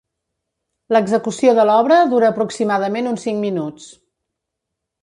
L'execució de l'obra dura aproximadament uns cinc minuts.